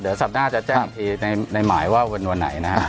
เดี๋ยวสัปดาห์จะแจ้งทีในหมายว่าวันวันไหนนะครับ